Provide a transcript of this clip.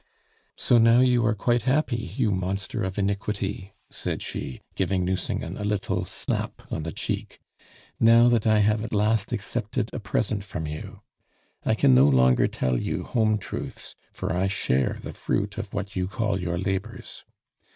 "So now you are quite happy, you monster of iniquity!" said she, giving Nucingen a little slap on the cheek, "now that I have at last accepted a present from you. I can no longer tell you home truths, for I share the fruit of what you call your labors.